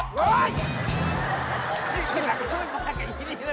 มันไม่มากับอีกทีแล้วนะ